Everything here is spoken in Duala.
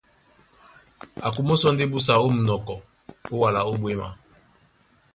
A kumó sɔ́ ndé busa ó mú munɔkɔ ó wala ó ɓwěma.